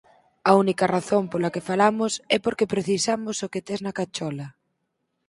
A única razón pola que falamos é porque precisamos o que tes na cachola.